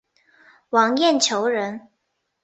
王晏球人。